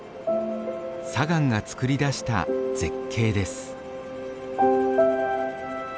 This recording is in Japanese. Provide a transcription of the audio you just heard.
砂岩が作り出した絶景です。